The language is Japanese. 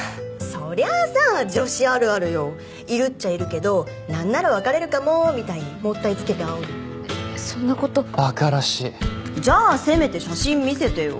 そりゃあさ女子あるあるよいるっちゃいるけどなんなら別れるかもみたいにもったいつけてあおるそんなことバカらしいじゃあせめて写真見せてよ